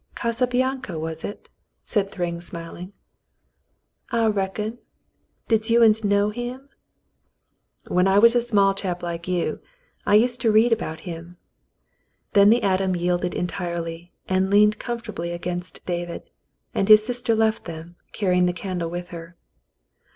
"Casablanca, was it ?" said Thryng, smiling. "I reckon. Did you uns know him ?" "\Mien I was a small chap like you, I used to read about him." Then the atom yielded entirely, and leaned com fortably against David, and his sister left them, carrying the candle with her.